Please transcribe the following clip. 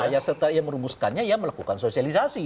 iya setelah merumuskannya ya melakukan sosialisasi